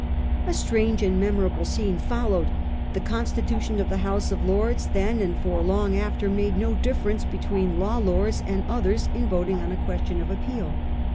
A strange and memorable scene followed. The constitution of the House of Lords then and for long after made no difference between law lords and others in voting on a question of appeal.